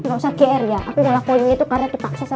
enggak usah kinerja aku ngelakuin itu karena dipaksa sama ibu